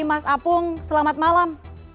mas apung selamat malam